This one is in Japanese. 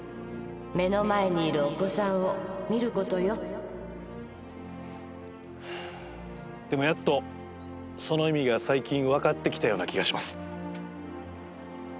目の前にいるお子さんを見ることよでもやっとその意味が最近分かってきたような気がします。